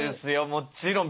もちろん。